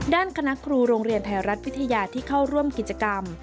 คณะครูโรงเรียนไทยรัฐวิทยาที่เข้าร่วมกิจกรรม